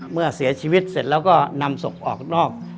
เมื่อเสียชีวิตเสร็จแล้วก็นำศพออกนอก